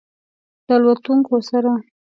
د الوتونکو سره